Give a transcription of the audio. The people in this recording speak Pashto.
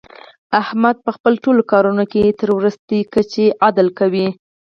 احمد په خپلو ټول کارونو کې تر ورستۍ کچې عدل کوي.